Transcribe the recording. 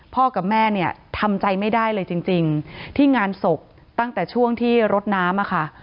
กับแม่เนี่ยทำใจไม่ได้เลยจริงจริงที่งานศพตั้งแต่ช่วงที่รถน้ำอะค่ะ